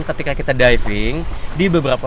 ketika kita diving di beberapa